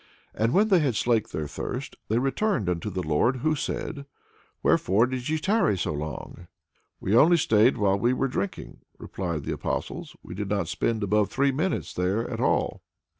And when they had slaked their thirst, they returned unto the Lord, who said: "Wherefore did ye tarry so long?" "We only stayed while we were drinking," replied the Apostles. "We did not spend above three minutes there in all."